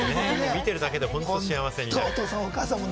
見てるだけで本当に幸せになる。